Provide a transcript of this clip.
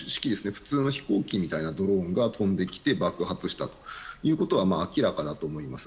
普通の飛行機みたいなドローンが飛んできて爆発したということは明らかだと思うんです。